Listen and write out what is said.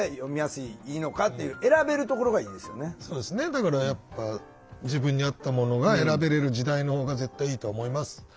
だからやっぱ自分に合ったものが選べれる時代のほうが絶対いいと思います。